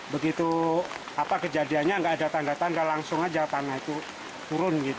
begitu kejadiannya tidak ada tanda tanda langsung saja tanah itu turun